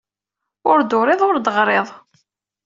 Ur d-turiḍ, ur d-teɣriḍ.